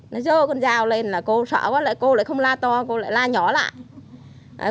nó dỡ con dao lên là cô sợ với lại cô lại không la to cô lại la nhỏ lại